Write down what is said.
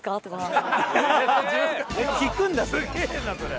すげえなそれ。